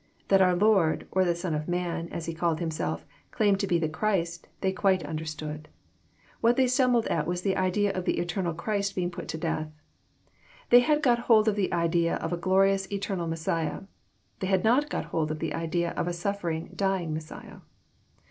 That our Lord, or the Son of man, as He called Himself, claimed to be the Christ, they quite under stood. What they stumbled at was the idea of the eternal Christ being put to death. They had got hold of the idea of a glorious, eternal Messiah. They had not got hold of the idea of a suffer ing, dying Messiah.